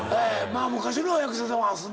昔の役者さんは遊んではった。